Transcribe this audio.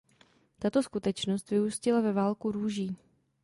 Tato skutečnost vyústila ve válku růží.